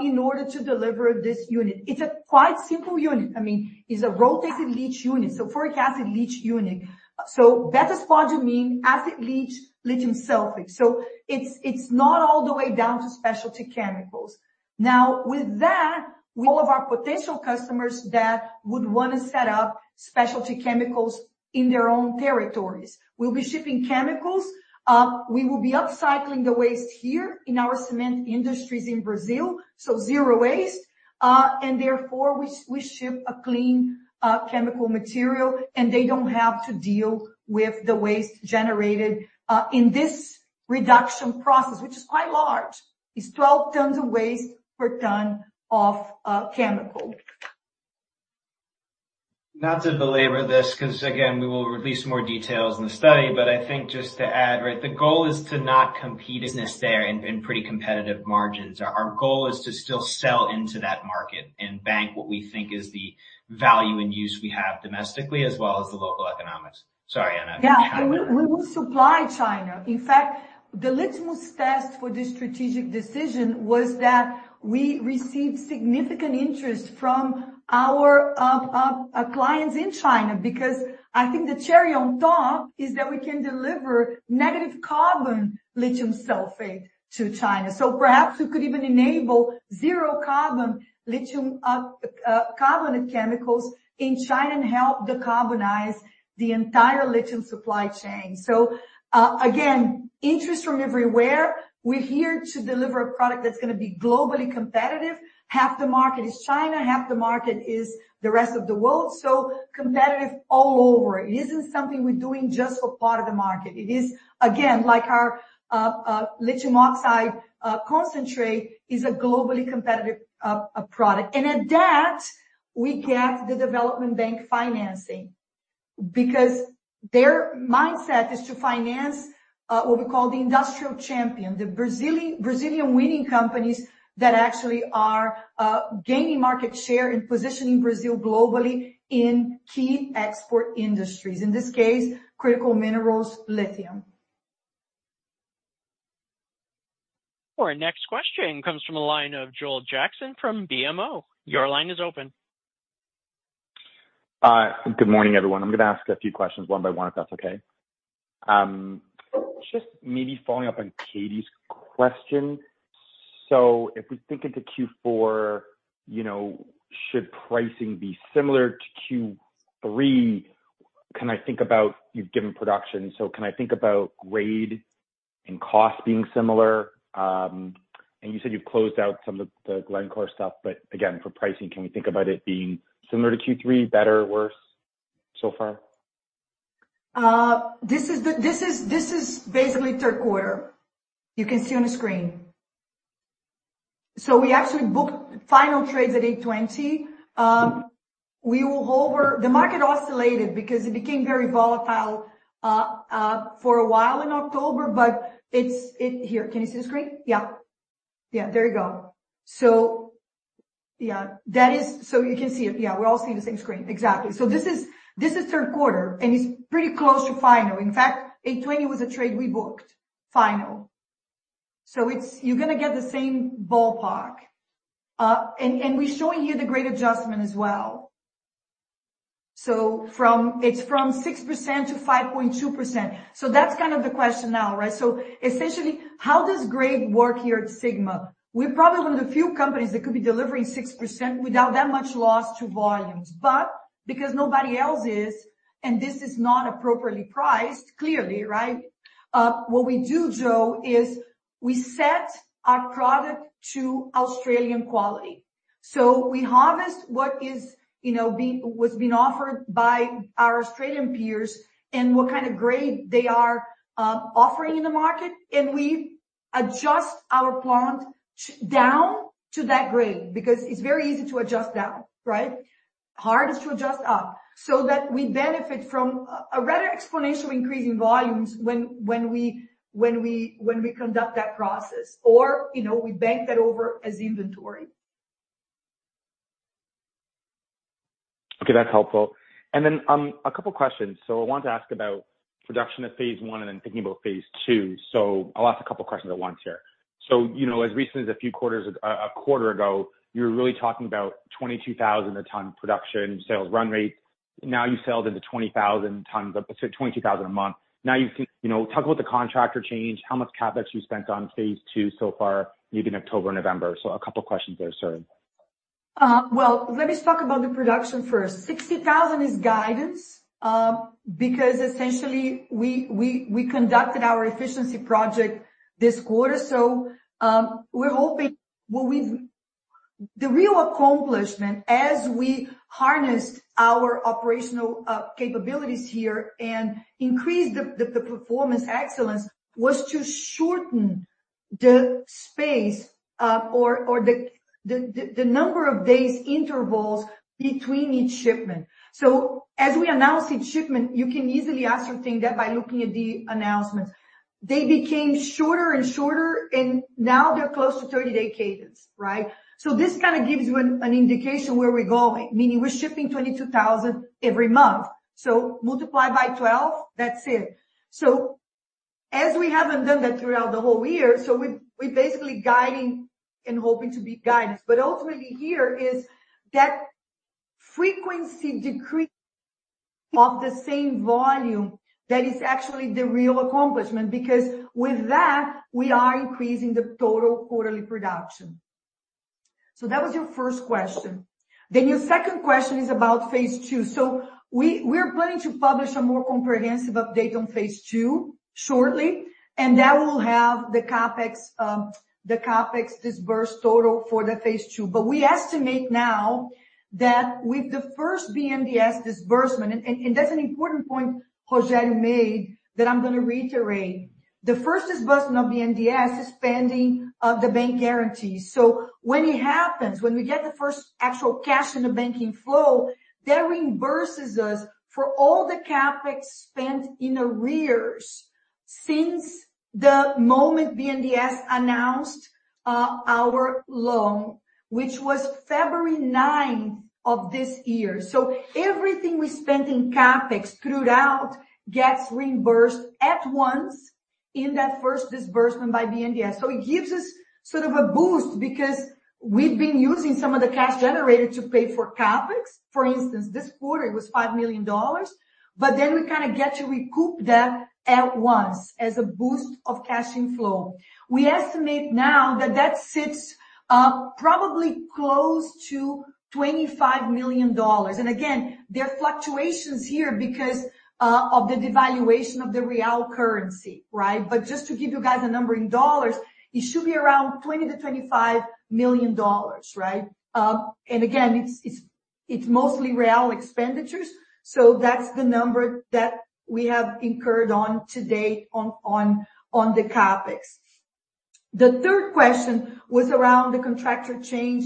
in order to deliver this unit. It's quite a simple unit. I mean, it's a rotary leach unit, so hydrofluoric acid leach unit. So, beta spodumene, acid leach, lithium sulfate. So, it's not all the way down to specialty chemicals. Now, with that, all of our potential customers that would want to set up specialty chemicals in their own territories. We'll be shipping chemicals. We will be upcycling the waste here in our cement industries in Brazil, so zero waste. And therefore, we ship a clean chemical material, and they don't have to deal with the waste generated in this reduction process, which is quite large. It's 12 tons of waste per ton of chemical. Not to belabor this because, again, we will release more details in the study. But I think just to add, right, the goal is to not compete in business there and pretty competitive margins. Our goal is to still sell into that market and bank what we think is the value and use we have domestically as well as the local economics. Sorry, Ana. Yeah, we will supply China. In fact, the litmus test for this strategic decision was that we received significant interest from our clients in China because I think the cherry on top is that we can deliver negative carbon lithium sulfate to China. Perhaps we could even enable zero carbon lithium carbonate chemicals in China and help decarbonize the entire lithium supply chain. So, again, interest from everywhere. We're here to deliver a product that's going to be globally competitive. Half the market is China. Half the market is the rest of the world. So, competitive all over. It isn't something we're doing just for part of the market. It is, again, like our lithium oxide concentrate is a globally competitive product. And at that, we get the development bank financing because their mindset is to finance what we call the industrial champion, the Brazilian winning companies that actually are gaining market share and positioning Brazil globally in key export industries, in this case, critical minerals, lithium. Our next question comes from a line of Joel Jackson from BMO. Your line is open. Good morning, everyone. I'm going to ask a few questions one by one if that's okay. Just maybe following up on Katie's question. If we think into Q4, should pricing be similar to Q3? Can I think about you've given production. Can I think about grade and cost being similar? You said you've closed out some of the Glencore stuff. For pricing, can we think about it being similar to Q3, better, worse so far? This is basically third quarter. You can see on the screen. We actually booked final trades at $820. We will hold over. The market oscillated because it became very volatile for a while in October. Here, can you see the screen? Yeah. Yeah, there you go. Yeah, that is so you can see it. Yeah, we're all seeing the same screen. Exactly. This is the third quarter, and it's pretty close to final. In fact, $820 was a trade we booked final. You're going to get the same ballpark. We're showing you the grade adjustment as well. It's from 6% to 5.2%. That's kind of the question now, right? Essentially, how does grade work here at Sigma? We're probably one of the few companies that could be delivering 6% without that much loss to volumes. But because nobody else is, and this is not appropriately priced, clearly, right? What we do, Joe, is we set our product to Australian quality. We harvest what is being offered by our Australian peers and what kind of grade they are offering in the market. We adjust our plant down to that grade because it's very easy to adjust down, right? Hardest to adjust up. So that we benefit from a rather exponential increase in volumes when we conduct that process. Or we bank that over as inventory. Okay, that's helpful. And then a couple of questions. So, I want to ask about production at Phase 1 and then thinking Phase 2. so, I'll ask a couple of questions at once here. So, as recent as a few quarters ago, you were really talking about 22,000 a ton production sales run rate. Now you're selling into 20,000 tons, 22,000 a month. Now you've talked about the contractor change. How much CapEx you spent Phase 2 so far, maybe in October or November? So, a couple of questions there, sir. Well, let me talk about the production first. 60,000 is guidance because essentially we conducted our efficiency project this quarter. So, we're hoping the real accomplishment as we harnessed our operational capabilities here and increased the performance excellence was to shorten the space or the number of days intervals between each shipment. So, as we announced each shipment, you can easily ascertain that by looking at the announcements. They became shorter and shorter, and now they're close to 30-day cadence, right? So, this kind of gives you an indication where we're going, meaning we're shipping 22,000 every month. So, multiply by 12, that's it. So, as we haven't done that throughout the whole year, so we're basically guiding and hoping to be guidance. But ultimately here is that frequency decrease of the same volume that is actually the real accomplishment because with that, we are increasing the total quarterly production. So, that was your first question. Then your second question is about Phase 2. We're planning to publish a more comprehensive update Phase 2 shortly, and that will have the CapEx disburse total for Phase 2. we estimate now that with the first BNDES disbursement, and that's an important point Rogério made that I'm going to reiterate. The first disbursement of BNDES is pending the bank guarantee. When it happens, when we get the first actual cash in the banking flow, that reimburses us for all the CapEx spent in arrears since the moment BNDES announced our loan, which was February 9th of this year. Everything we spent in CapEx throughout gets reimbursed at once in that first disbursement by BNDES. It gives us sort of a boost because we've been using some of the cash generated to pay for CapEx. For instance, this quarter it was $5 million. But then we kind of get to recoup that at once as a boost of cash inflow. We estimate now that that sits probably close to $25 million. And again, there are fluctuations here because of the devaluation of the Real currency, right? But just to give you guys a number in dollars, it should be around $20-$25 million, right? And again, it's mostly real expenditures. So, that's the number that we have incurred to date on the CapEx. The third question was around the contractor change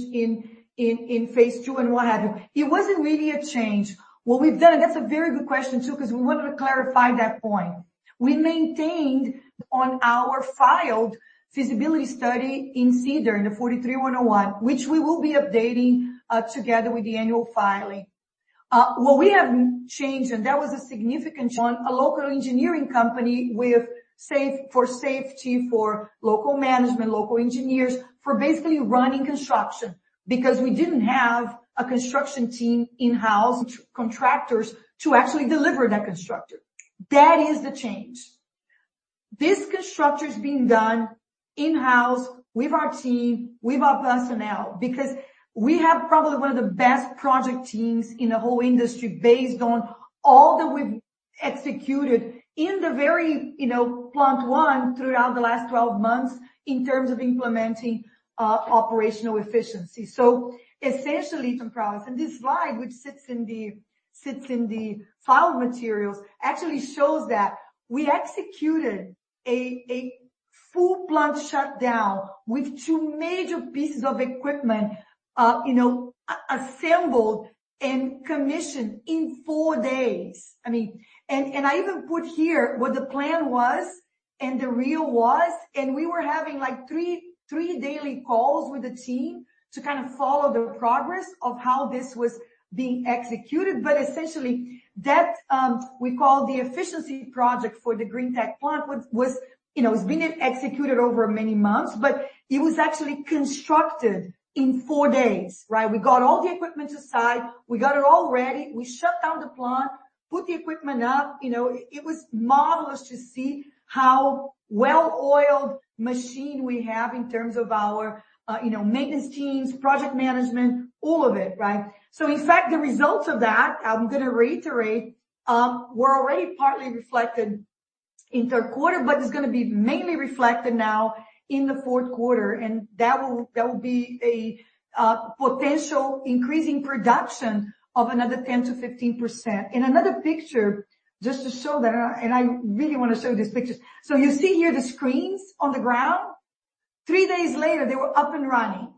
Phase 2 and what have you. It wasn't really a change. What we've done, and that's a very good question too because we wanted to clarify that point. We maintained in our filed feasibility study in SEDAR+ in the 43-101, which we will be updating together with the annual filing. What we have changed, and that was a significant change, from a local engineering company for safety for local management, local engineers for basically running construction because we didn't have a construction team in-house. Contractors to actually deliver that construction. That is the change. This construction is being done in-house with our team, with our personnel because we have probably one of the best project teams in the whole industry based on all that we've executed in the Greentech Plant 1 throughout the last 12 months in terms of implementing operational efficiency. So, essentially, some products. And this slide, which sits in the filed materials, actually shows that we executed a full plant shutdown with two major pieces of equipment assembled and commissioned in four days. I mean, and I even put here what the plan was and the real was. We were having like three daily calls with the team to kind of follow the progress of how this was being executed. But essentially, that we call the efficiency project for the Greentech Plant was being executed over many months, but it was actually constructed in four days, right? We got all the equipment to site. We got it all ready. We shut down the plant, put the equipment up. It was marvelous to see how well-oiled machine we have in terms of our maintenance teams, project management, all of it, right? In fact, the results of that, I'm going to reiterate, were already partly reflected in third quarter, but it's going to be mainly reflected now in the fourth quarter. That will be a potential increase in production of another 10%-15%. Another picture just to show that, and I really want to show you these pictures. You see here the screens on the ground. Three days later, they were up and running.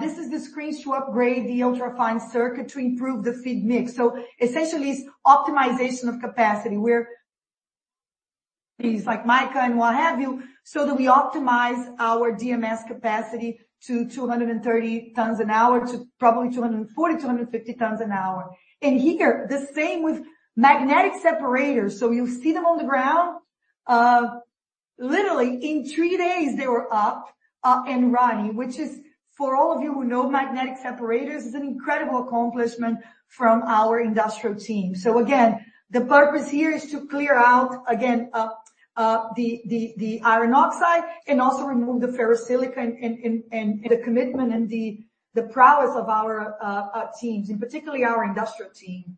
This is the screens to upgrade the ultra-fine circuit to improve the feed mix. Essentially, it's optimization of capacity. We're like mica and what have you so that we optimize our DMS capacity to 230 tons an hour to probably 240, 250 tons an hour. And here, the same with magnetic separators. You'll see them on the ground. Literally, in three days, they were up and running, which is, for all of you who know magnetic separators, an incredible accomplishment from our industrial team. So, again, the purpose here is to clear out, again, the iron oxide and also remove the ferrosilicon and the commitment and the prowess of our teams, particularly our industrial team.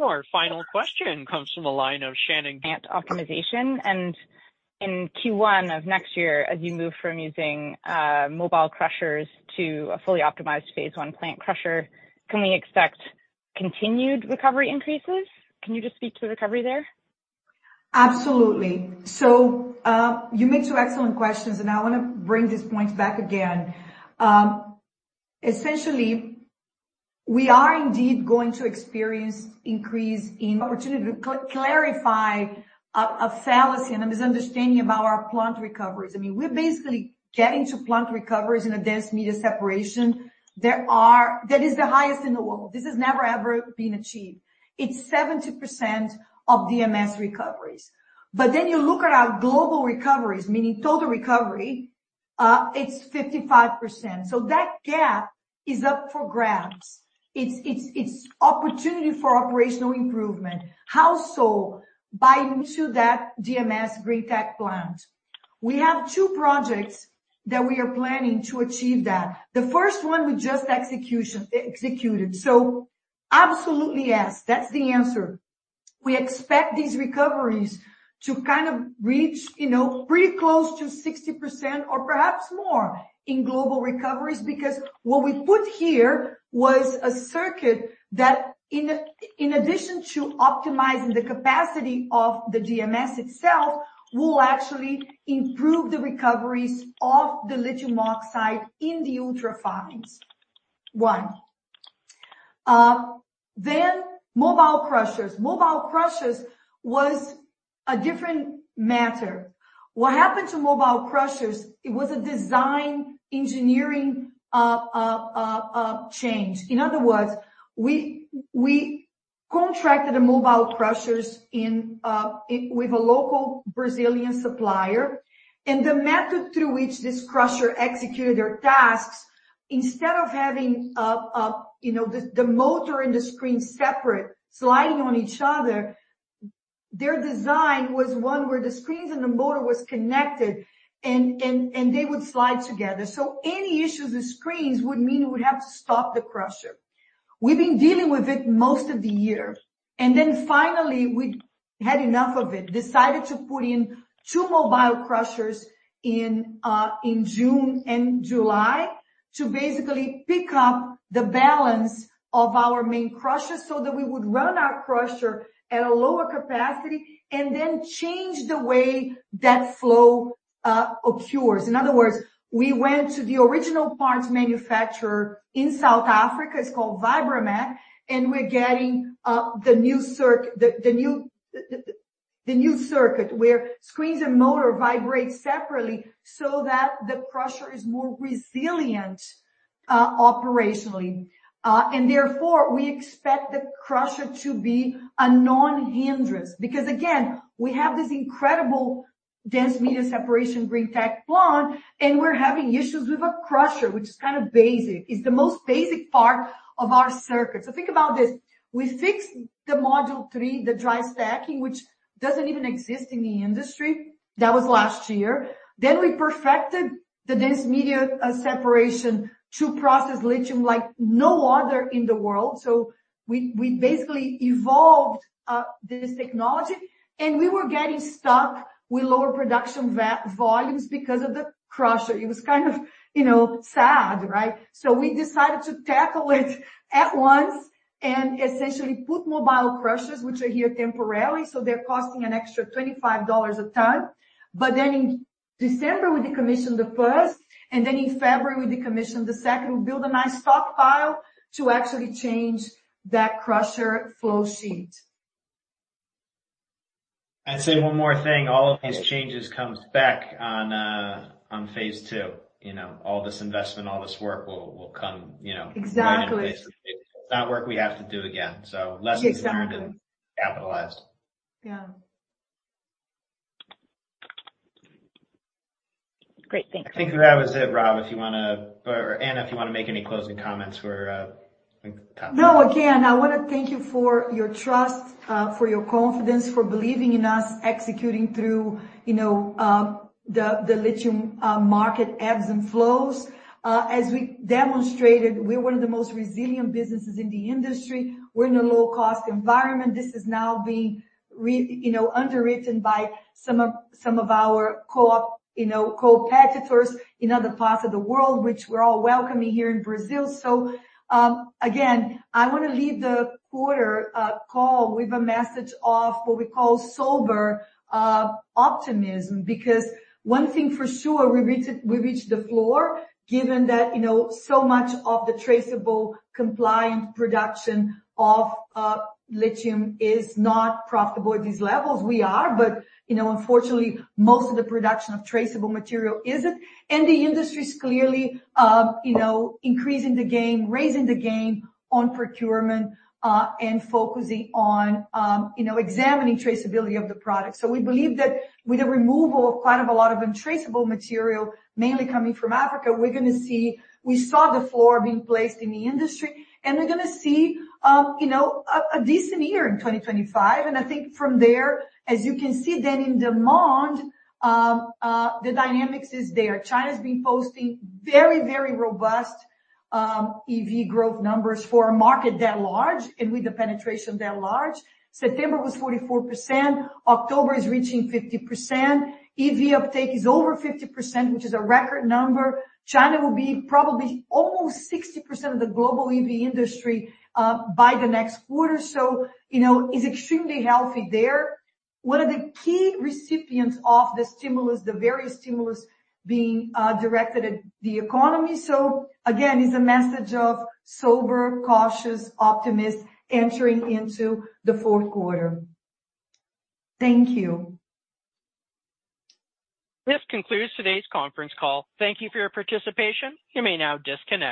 Our final question comes from a line of Shannon. Plant optimization. And in Q1 of next year, as you move from using mobile crushers to a fully optimized Phase 1 plant crusher, can we expect continued recovery increases? Can you just speak to recovery there? Absolutely. So, you made two excellent questions, and I want to bring these points back again. Essentially, we are indeed going to experience increase in opportunity to clarify a fallacy and a misunderstanding about our plant recoveries. I mean, we're basically getting to plant recoveries in a dense media separation. That is the highest in the world. This has never ever been achieved. It's 70% of DMS recoveries. But then you look at our global recoveries, meaning total recovery, it's 55%. So, that gap is up for grabs. It's opportunity for operational improvement. How so? By into that DMS Greentech Plant. We have two projects that we are planning to achieve that. The first one we just executed. So, absolutely yes. That's the answer. We expect these recoveries to kind of reach pretty close to 60% or perhaps more in global recoveries because what we put here was a circuit that, in addition to optimizing the capacity of the DMS itself, will actually improve the recoveries of the lithium oxide in the ultra-fines. One. Then mobile crushers. Mobile crushers was a different matter. What happened to mobile crushers? It was a design engineering change. In other words, we contracted mobile crushers with a local Brazilian supplier. The method through which this crusher executed their tasks, instead of having the motor and the screen separate, sliding on each other, their design was one where the screens and the motor were connected, and they would slide together. Any issues with screens would mean we would have to stop the crusher. We've been dealing with it most of the year. Finally, we had enough of it, decided to put in two mobile crushers in June and July to basically pick up the balance of our main crusher so that we would run our crusher at a lower capacity and then change the way that flow occurs. In other words, we went to the original parts manufacturer in South Africa. It's called Vibramech. We're getting the new circuit where screens and motor vibrate separately so that the crusher is more resilient operationally. And therefore, we expect the crusher to be a non-hindrance because, again, we have this incredible dense media separation Greentech plant, and we're having issues with a crusher, which is kind of basic. It's the most basic part of our circuit. So, think about this. We fixed the Module 3, the dry stacking, which doesn't even exist in the industry. That was last year. Then we perfected the dense media separation to process lithium like no other in the world. So, we basically evolved this technology. And we were getting stuck with lower production volumes because of the crusher. It was kind of sad, right? So, we decided to tackle it at once and essentially put mobile crushers, which are here temporarily. So, they're costing an extra $25 a ton. But then in December, we decommissioned the first. And then in February, we decommissioned the second. We built a nice stockpile to actually change that crusher flow sheet. I'd say one more thing. All of these changes come back Phase 2. all this investment, all this work will come back. Exactly. It's not work we have to do again. So, lessons learned and capitalized. Yeah. Great. Thanks. I think that was it, Rob, if you want to, or Ana, if you want to make any closing comments for topic. No, again, I want to thank you for your trust, for your confidence, for believing in us executing through the lithium market ebbs and flows. As we demonstrated, we're one of the most resilient businesses in the industry. We're in a low-cost environment. This is now being underwritten by some of our competitors in other parts of the world, which we're all welcoming here in Brazil. So, again, I want to leave the quarter call with a message of what we call sober optimism because one thing for sure, we reached the floor given that so much of the traceable compliant production of lithium is not profitable at these levels. We are, but unfortunately, most of the production of traceable material isn't. And the industry is clearly increasing the game, raising the game on procurement, and focusing on examining traceability of the product. So, we believe that with the removal of quite a lot of untraceable material, mainly coming from Africa, we're going to see, we saw the floor being placed in the industry, and we're going to see a decent year in 2025. And I think from there, as you can see, then in demand, the dynamics is there. China has been posting very, very robust EV growth numbers for a market that large and with the penetration that large. September was 44%. October is reaching 50%. EV uptake is over 50%, which is a record number. China will be probably almost 60% of the global EV industry by the next quarter. So, it's extremely healthy there. One of the key recipients of the stimulus, the various stimulus being directed at the economy. So, again, it's a message of sober, cautious, optimism entering into the fourth quarter. Thank you. This concludes today's conference call. Thank you for your participation. You may now disconnect.